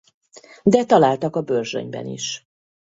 De találtak a Börzsönyben is.